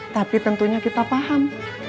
tapi tentunya kita paham